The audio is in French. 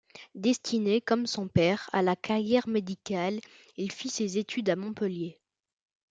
Destiné, comme son père, à la carrière médicale, il fit ses études à Montpellier.